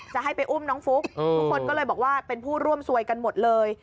จะให้ไปอุ้มน้องฟุ๊กทุกคนก็เลยบอกว่าเป็นผู้ร่วมซวยกันหมดเลย